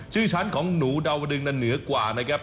ชื่อชั้นของหนูดาวดึงนั้นเหนือกว่านะครับ